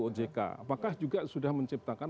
ojk apakah juga sudah menciptakan